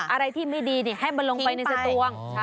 อะไรที่ไม่ดีให้มันลงไปในสตวง